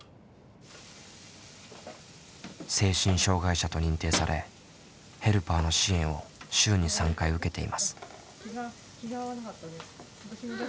精神障害者と認定されヘルパーの支援を週に３回受けています。